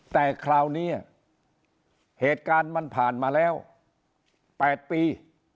แต่คราวนี้เหตุการณ์มันผ่านมาแล้ว๘ปี